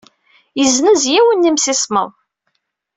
Yessenz yiwen n yemsismeḍ.